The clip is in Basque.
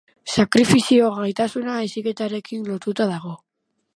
Sakrifizio gaitasuna heziketarekin lotuta dago.